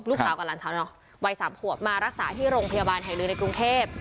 กับหลานสาวเนาะวัย๓ขวบมารักษาที่โรงพยาบาลแห่งหนึ่งในกรุงเทพ